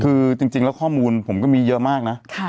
คือจริงนะจริงนะข้อมูลผมก็มีเยอะมาก